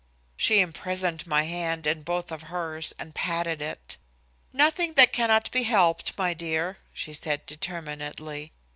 She imprisoned my hand in both of hers and patted it. "Nothing that cannot be helped, my dear," she said determinedly.